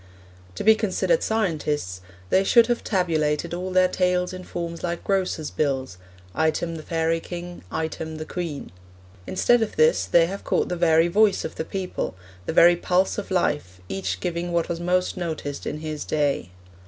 To be considered scientists they should have tabulated all their tales in forms like grocers' bills item the fairy king, item the queen. Instead of this they have caught the very voice of the people, the very pulse of life, each giving what was most noticed in his day.